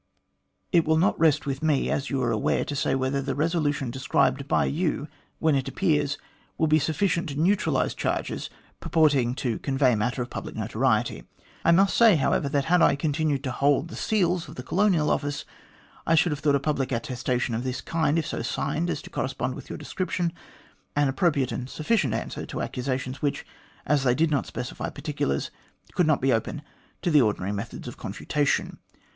It will not rest with me, as you are aware, to say whether the resolution described by you, when it appears, will be sufficient to neutralise charges purporting to convey matter of public notoriety. I must say, however, that had I continued to hold the Seals of the Colonial Office, I should have thought a public attestation of this kind, if so signed as to correspond with your description, an appropriate and sufficient answer to accusations which, as they did not specify particulars, could not be open to the ordinary methods of confuta tion.